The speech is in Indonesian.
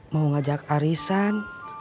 mau ngajak arisan